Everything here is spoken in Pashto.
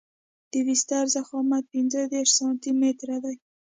د بستر ضخامت پنځه دېرش سانتي متره دی